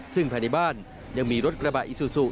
ซึ่งภายในบ้านยังมีรถกระบะอิซูซู